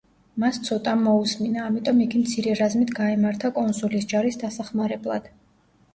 მას ცოტამ მოუსმინა, ამიტომ იგი მცირე რაზმით გაემართა კონსულის ჯარის დასახმარებლად.